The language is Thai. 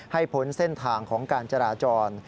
พ้นเส้นทางของการจราจร